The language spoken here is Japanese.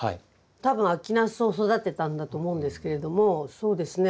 多分秋ナスを育てたんだと思うんですけれどもそうですね